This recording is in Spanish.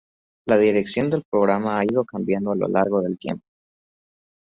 La dirección del programa ha ido cambiando a lo largo del tiempo.